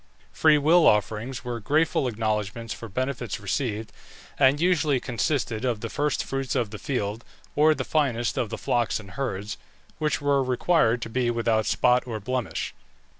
Free will offerings were grateful acknowledgments for benefits received, and usually consisted of the first fruits of the field, or the finest of the flocks and herds, which were required to be without spot or blemish.